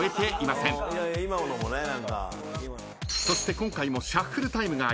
そして今回もシャッフルタイムがあります。